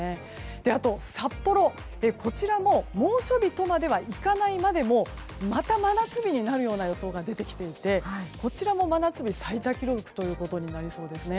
あと札幌、こちらも猛暑日までとはいかないまでもまた真夏日になるような予想が出てきていてこちらも真夏日最多記録となりそうですね。